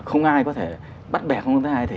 không ai có thể bắt bẻ không ai có thể